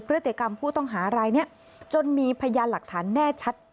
พฤติกรรมผู้ต้องหารายนี้จนมีพยานหลักฐานแน่ชัด